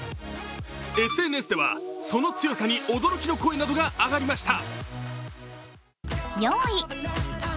ＳＮＳでは、その強さに驚きの声などが上がりました。